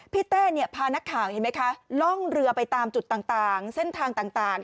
เต้พานักข่าวเห็นไหมคะล่องเรือไปตามจุดต่างเส้นทางต่าง